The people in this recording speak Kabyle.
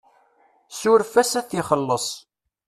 Suref-as ad t-ixelleṣ.